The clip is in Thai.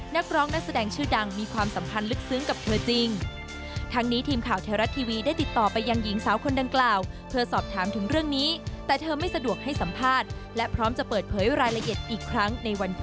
นักร้องนักแสดงชื่อดังมีความสัมพันธ์ลึกซึ้งกับเธอจริง